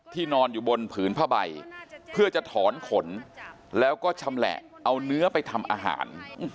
นอนอยู่บนผืนผ้าใบเพื่อจะถอนขนแล้วก็ชำแหละเอาเนื้อไปทำอาหาร